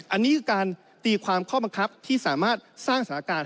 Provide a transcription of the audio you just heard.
อันนี้คือการตีความข้อบังคับที่สามารถสร้างสถานการณ์